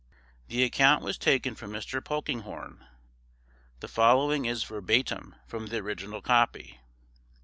The account was taken from Mr Polkinghorne. The following is verbatim from the original copy.